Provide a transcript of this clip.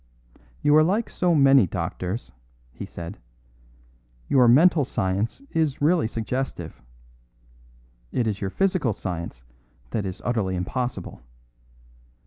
"You are like so many doctors," he said; "your mental science is really suggestive. It is your physical science that is utterly impossible.